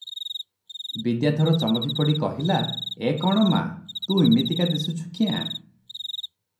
ବିଦ୍ୟାଧର ଚମକି ପଡ଼ି କହିଲା "ଏ କଣ ମା! ତୁ ଇମିତିକା ଦିଶୁଛୁ କ୍ୟାଁ?